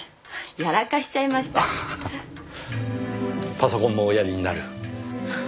パソコンもおやりになる？